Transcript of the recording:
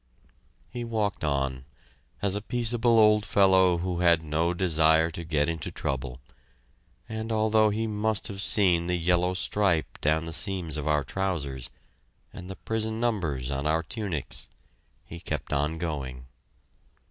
He walked on, as a peaceable old fellow who had no desire to get into trouble, and although he must have seen the yellow stripe down the seams of our trousers, and the prison numbers on our tunics, he kept on going.